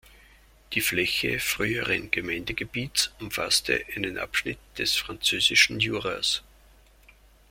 Die Fläche früheren Gemeindegebiets umfasste einen Abschnitt des französischen Juras.